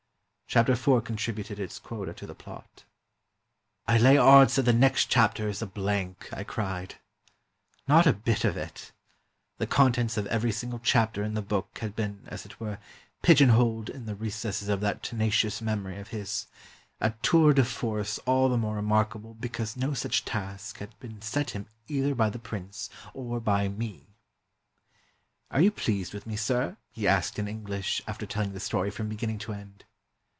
Chapter rv contributed its quota to the plot. "I lay odds that the next chapter is a blank!" I cried. Not a bit of it ! The contents of every single chapter in the book had been as it were pigeon holed in the re cesses of that tenacious memory of his : a tour de force all the more remarkable because no such task had been set him either by the prince or by me. 394 POE'S TALES AT THE PERSIAN COURT "Arc you pleased with me, sir?" he asked in English, after telling the story from beginning to end.